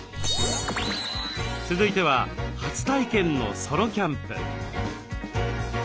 続いては初体験のソロキャンプ。